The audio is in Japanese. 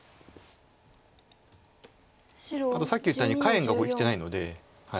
あとさっき言ったように下辺が生きてないので。